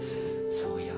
そうよ